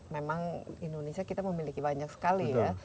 memang indonesia kita memiliki banyak sekali ya